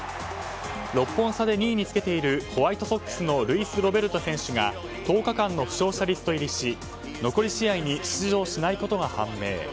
６本差で２位につけているホワイトソックスのルイス・ロベルト選手が１０日間の負傷者リスト入りし残り試合に出場しないことが判明。